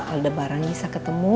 ada barang bisa ketemu